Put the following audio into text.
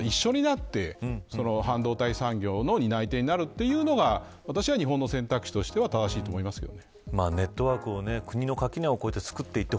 つまり台湾とライバルではなくて台湾と一緒になって半導体産業の担い手になるというのが私は日本の選択肢としては正しいと思いますけどね。